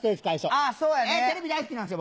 あぁそうやね。テレビ大好きなんですよ